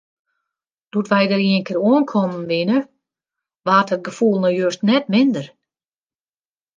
Doe't wy dêr ienkear oankommen wiene, waard dat gefoel no just net minder.